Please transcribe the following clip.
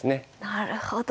なるほど。